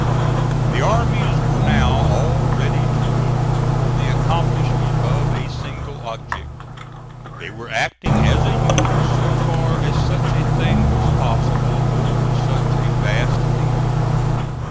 The armies were now all ready to move for the accomplishment of a single object. They were acting as a unit so far as such a thing was possible over such a vast field.